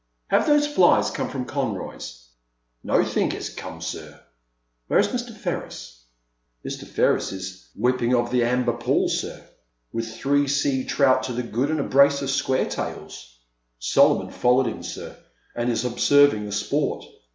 Have those flies come from Conroy's ?"Nothink 'as came, sir." '•Where is Mr. Ferris?" Mr. Ferris is a whipping of the h' Amber Pool sir, with three sea trout to the good and a brace of square tails. Solomon followed 'im, sir, and is h' observing the sport."